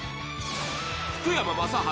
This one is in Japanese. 福山雅治